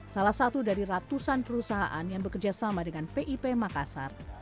salah satu dari ratusan perusahaan yang bekerja sama dengan pip makassar